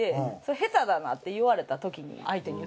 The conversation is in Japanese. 「下手だな」って言われた時に相手に言ったんです。